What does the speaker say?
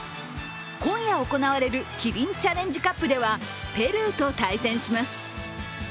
今夜行われるキリンチャレンジカップでは、ペルーと対戦します。